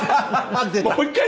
もう一回？